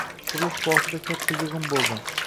Qurilish boshida katta yig‘in bo‘ldi.